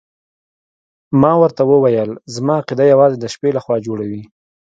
ما ورته وویل زما عقیده یوازې د شپې لخوا جوړه وي.